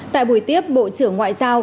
tại buổi tiếp bộ trưởng ngoại giao